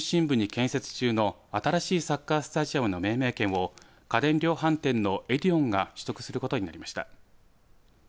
広島市の中心部に建設中の新しいサッカースタジアムの命名権を家電量販店のエディオンが取得することになりました。